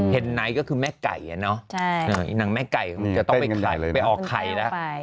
เฮ็ดไนท์ก็คือแม่ไก่เนอะนางแม่ไก่มันจะต้องไปออกไข่ละ